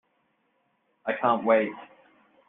I can't wait!